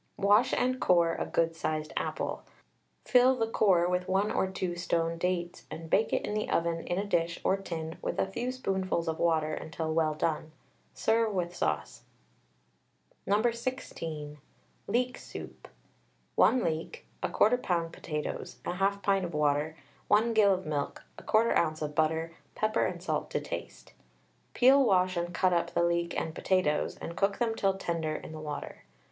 Wash and core a good sized apple, fill the core with 1 or 2 stoned dates, and bake it in the oven in a dish or tin with a few spoonfuls of water until well done. Serve with sauce. No. 16. LEEK SOUP. 1 leek, 1/4 lb. potatoes, 1/2 pint water, 1 gill of milk, 1/4 oz. of butter, pepper and salt to taste. Peel, wash, and cut up the leek and potatoes, and cook them till tender in the water.